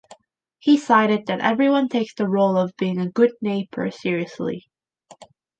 He cited that everyone takes the role of being a good neighbor seriously.